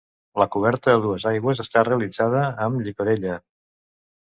La coberta a dues aigües està realitzada amb llicorella.